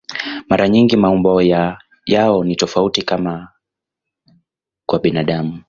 Mara nyingi maumbo yao ni tofauti, kama kwa binadamu.